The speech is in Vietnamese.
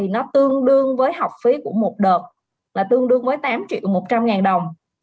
nó tương đương với học phí của một đợt là tương đương với tám triệu một trăm linh ngàn đồng